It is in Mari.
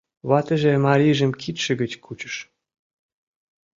Ватыже марийжым кидше гыч кучыш.